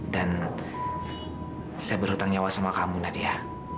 dan saya berhutang nyawa sama kamu nadia